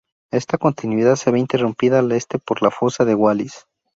Esta continuidad se ve interrumpida al Este por la fosa de Wallace.